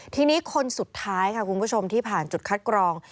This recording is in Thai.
ทีนี้คนสุดท้ายค่ะคุณผู้ชมที่ผ่านจุดคัดกรอง